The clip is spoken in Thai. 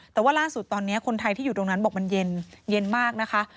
แต่ว่าล่าสุดตอนนี้คนไทยที่อยู่ตรงนั้นบอกมันเย็นเย็นมากนะคะ